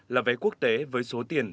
là vé quốc tế với số tiền